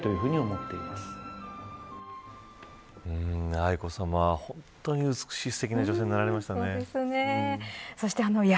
愛子さまは本当に美しくすてきな女性になられましたね。